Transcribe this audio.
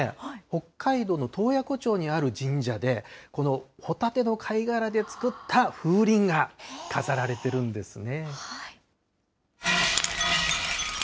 北海道の洞爺湖町にある神社で、このホタテの貝殻で作った風鈴が飾られているんですね。